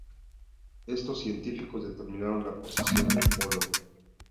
Estos científicos determinaron la posición del polo.